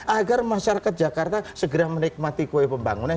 agar masyarakat jakarta segera menikmati kue pembangunan